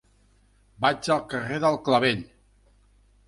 Vaig al carrer del Clavell.